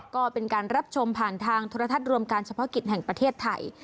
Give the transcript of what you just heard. ก็เป็นการรับชมผ่านทางโทรทัศน์รวมการเฉพาะกิจแห่งประเทศไทย